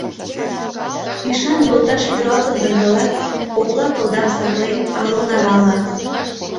Ӱшан йолташ пӱралтын гын тылат, Кокла кылдам саклен, арун арале.